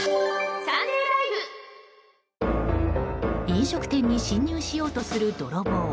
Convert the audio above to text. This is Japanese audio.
飲食店に侵入しようとする泥棒。